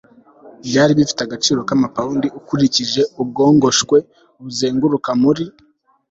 byari bifite agaciro k'ama pound ukurikije ubwongoshwe buzenguruka muri